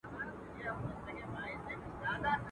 يا نه کوي، يا د خره کوي.